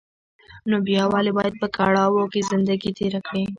نو بيا ولې بايد په کړاوو کې زندګي تېره کړې.